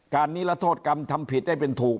นิรโทษกรรมทำผิดได้เป็นถูก